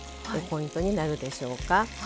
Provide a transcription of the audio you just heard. ポイントになるでしょうか。